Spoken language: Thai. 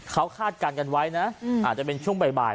เขาคาดการกันไว้น่ะอืมอาจจะเป็นช่วงบ่ายบ่าย